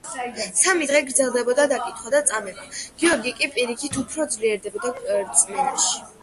სამი დღე გრძელდებოდა დაკითხვა და წამება, გიორგი კი პირიქით უფრო ძლიერდებოდა რწმენაში.